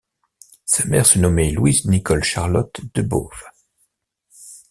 Sa mère se nommait Louise-Nicole-Charlotte Desboves.